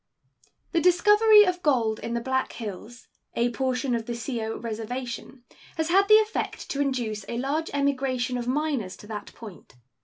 The discovery of gold in the Black Hills, a portion of the Sioux Reservation, has had the effect to induce a large emigration of miners to that point.